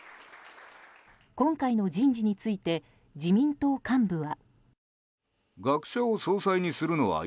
今回の人事について自民党幹部は。